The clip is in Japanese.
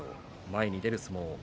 前に出る相撲。